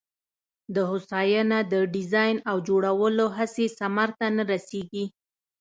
د هوساینه د ډیزاین او جوړولو هڅې ثمر ته نه رسېږي.